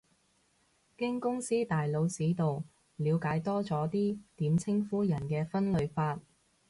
經公司大佬指導，了解多咗個點稱呼人嘅分類法